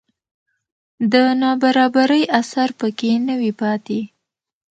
د نابرابرۍ اثر په کې نه وي پاتې